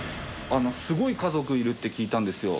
すごい家族いるって聞いたんですよ。